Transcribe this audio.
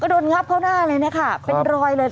โดนงับเข้าหน้าเลยนะคะเป็นรอยเลย